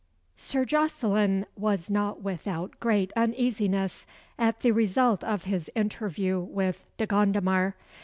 Sir Jocelyn was not without great uneasiness at the result of his interview with De Gondomar.